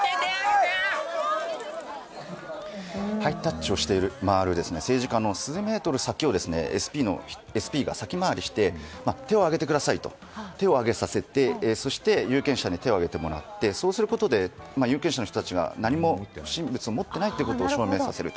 ハイタッチをして回る政治家の数メートル先でＳＰが先回りして手を上げてくださいと手を上げさせて有権者に手を上げてもらってそうすることで有権者の人たちが何も不審物を持っていないことを証明させる。